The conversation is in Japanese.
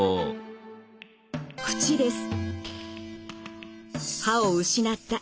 口です。